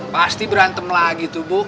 pasti berantem lagi tuh bu